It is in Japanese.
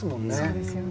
そうですよね。